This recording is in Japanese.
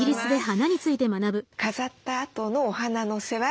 飾ったあとのお花の世話